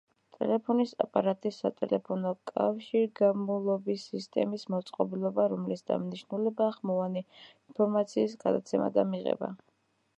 ტელეფონის აპარატი, სატელეფონო კავშირგაბმულობის სისტემის მოწყობილობა, რომლის დანიშნულებაა ხმოვანი ინფორმაციის გადაცემა და მიღება.